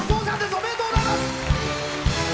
おめでとうございます！